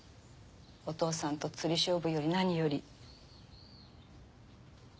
お父さんと釣り勝負より何より。